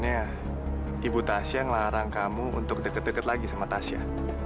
ya ibu tasya ngelarang kamu untuk deket deket lagi sama tasya